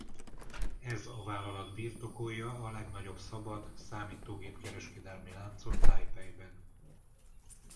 Ez a vállalat birtokolja a legnagyobb szabad számítógép-kereskedelmi láncot Tajpejben.